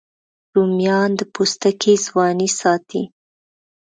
رومیان د پوستکي ځواني ساتي